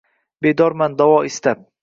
Bedorman davo istab.